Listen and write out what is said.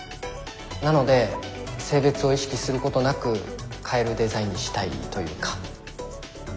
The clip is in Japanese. なので性別を意識することなく買えるデザインにしたいというか。